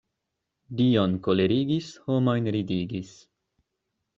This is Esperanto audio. Dion kolerigis, homojn ridigis.